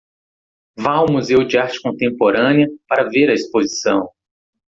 Vá ao Museu de Arte Contemporânea para ver a exposição